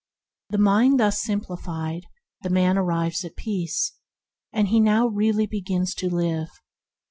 The mind thus simplified, the man arrives at peace, and now really begins to live.